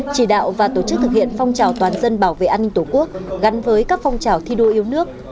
chỉ đạo và tổ chức thực hiện phong trào toàn dân bảo vệ an ninh tổ quốc gắn với các phong trào thi đua yêu nước